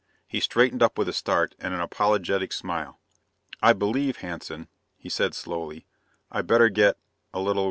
He straightened up with a start and an apologetic smile. "I believe, Hanson," he said slowly, "I'd better get ... a little